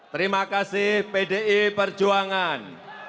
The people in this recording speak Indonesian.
terima kasih pdi perjuangan